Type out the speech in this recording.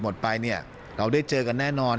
หมดไปเนี่ยเราได้เจอกันแน่นอน